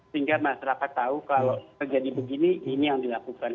sehingga masyarakat tahu kalau terjadi begini ini yang dilakukan